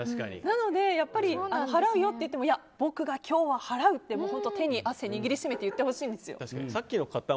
なので、やっぱり払うよって言われて僕が払うって手に汗を握りしめて言ってほしいんですよ。